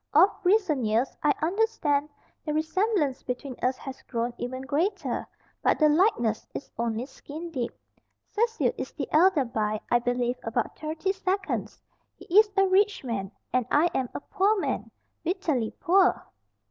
Of recent years, I understand, the resemblance between us has grown even greater. But the likeness is only skin deep. Cecil is the elder by, I believe, about thirty seconds. He is a rich man, and I am a poor man bitterly poor."